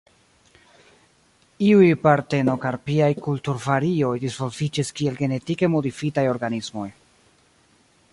Iuj partenokarpiaj kulturvarioj disvolviĝis kiel genetike modifitaj organismoj.